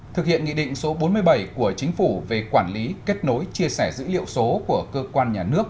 thực hiện nghị định số bốn mươi bảy của chính phủ về quản lý kết nối chia sẻ dữ liệu số của cơ quan nhà nước